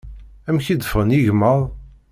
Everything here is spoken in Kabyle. Amek i d-ffɣen yigmaḍ?